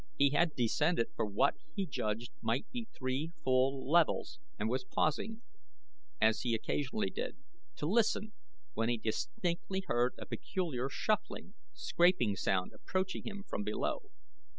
He had descended for what he judged might be three full levels and was pausing, as he occasionally did, to listen, when he distinctly heard a peculiar shuffling, scraping sound approaching him from below.